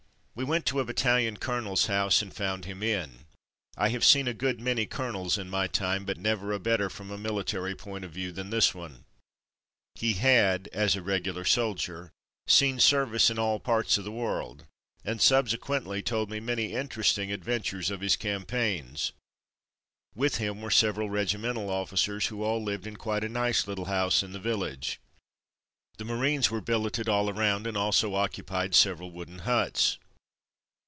We went to a battalion colonel's house and found him in. I have seen a good many colonels in my time, but never a better from a military point of view than this one. He had, as a regular soldier, seen service in all parts of the world, and Visit to Marine H. Q. 269 subsequently told me many interesting adventures of his campaigns. With him were several regimental officers who all lived in quite a nice little house in the village. The Marines were billeted all around, and also occupied several wooden huts.